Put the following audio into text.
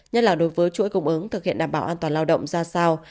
nhất là đối với chuỗi cung ứng thực hiện đảm bảo an toàn lao động ra sao